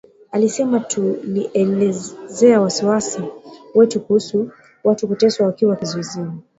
Alisema tulielezea wasiwasi yetu kuhusu watu kuteswa wakiwa kizuizini